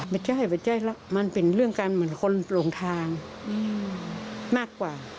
ไม่ใช่มันเป็นเรื่องการเหมือนคนลงทางมากกว่า